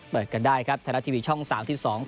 เปิดกันได้ครับธนาคต์ทีวีช่องสาวที่๒